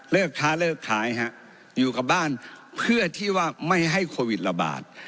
ค้าเลิกขายฮะอยู่กับบ้านเพื่อที่ว่าไม่ให้โควิดระบาด